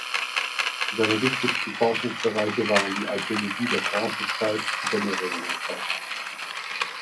Seine wichtigsten Forschungsbereiche waren die Archäologie der Bronzezeit und der Merowingerzeit.